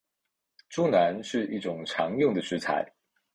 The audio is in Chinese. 猪腩是一种常用的食材。